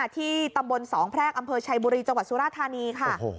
ที่ตำบลสองแพรกอำเภอชัยบุรีจังหวัดสุราธานีค่ะ